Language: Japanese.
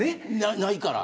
ないから。